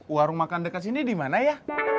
warung makan dekat sini dimana ya